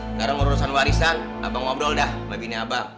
sekarang urusan warisan abang ngobrol dah sama bini abang